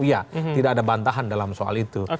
iya tidak ada bantahan dalam soal itu